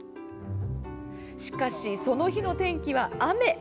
しかし、その日の天気は雨。